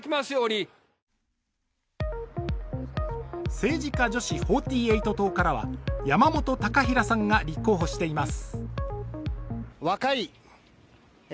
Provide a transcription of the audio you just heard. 政治家女子４８党からは山本貴平さんが立候補しています。